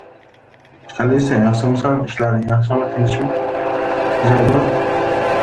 He was joined by many and, among them, was the young Petrache Poenaru.